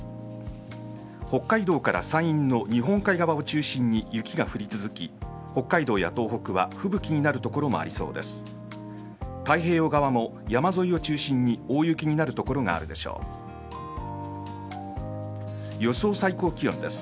北海道から山陰の日本海側を中心に雪が降り続き北海道や東北は吹雪になる所もありそうです。